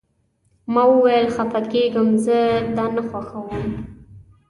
ما وویل: خفه کیږم، زه دا نه خوښوم.